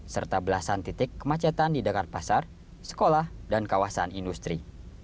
serta belasan titik kemacetan di dekat pasar sekolah dan kawasan industri